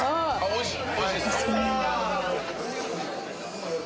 おいしい！